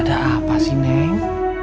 ada apa sih neng